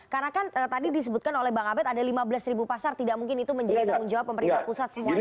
karena kan tadi disebutkan oleh bang abed ada lima belas pasar tidak mungkin itu menjadi tanggung jawab pemerintah pusat semuanya